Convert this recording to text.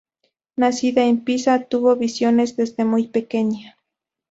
Nacida en Pisa, tuvo visiones desde muy pequeña.